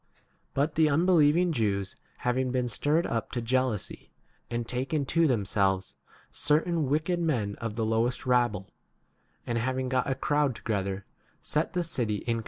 But the unbelieving Jews having been stirred up to jea lousy, and a taken to [themselves] certain wicked men of the lowest rabble, and having got a crowd * See note to verse 20.